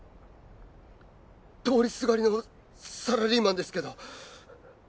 通りすがりのサラリーマンですけど。